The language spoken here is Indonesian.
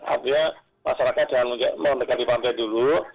artinya masyarakat jangan mau dekat di pantai dulu